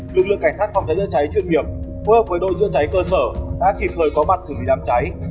lực lượng cảnh sát phòng cháy dựa cháy chuyên nghiệp hợp với đội dựa cháy cơ sở đã kịp thời có mặt xử lý đám cháy